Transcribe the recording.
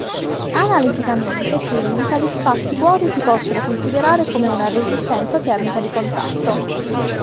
Analiticamente quindi tali spazi vuoti si possono considerare come una "resistenza termica di contatto".